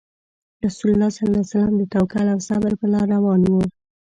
رسول الله صلى الله عليه وسلم د توکل او صبر په لار روان وو.